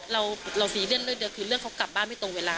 เราสีเลื่อนเรื่อยคือเรื่องเขากลับบ้านไม่ตรงเวลา